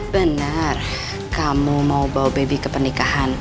benar kamu mau bawa bau bebi ke pernikahan